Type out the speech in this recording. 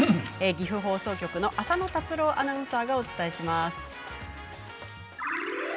岐阜放送局の浅野達朗アナウンサーがお伝えします。